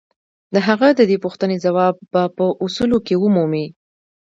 د هغه د دې پوښتنې ځواب به په اصولو کې ومومئ.